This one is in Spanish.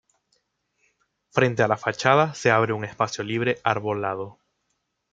Frente a la fachada se abre un espacio libre arbolado.